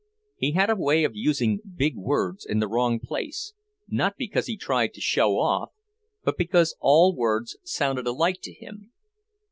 He had a way of using big words in the wrong place, not because he tried to show off, but because all words sounded alike to him.